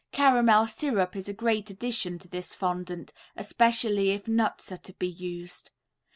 (Caramel syrup is a great addition to this fondant, especially if nuts are to be used.